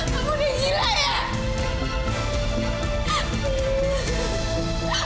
kamu udah gila ya